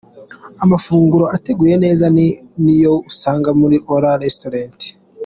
Amafunguro ateguye neza ni yo usanga muri Ora Restaurant.